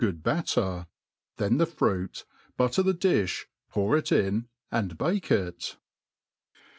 good batter, then. the fruit,^ butter th9 dUbj pour it in wd bake it.